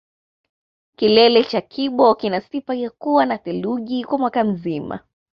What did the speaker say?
kilele cha kibo kina sifa ya kuwa na theluji kwa mwaka mzima